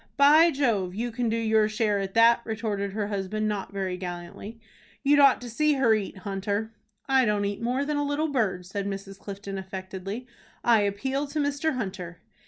"By Jove! you can do your share at that," retorted her husband not very gallantly. "You'd ought to see her eat, Hunter." "I don't eat more than a little bird," said Mrs. Clifton, affectedly. "I appeal to Mr. Hunter."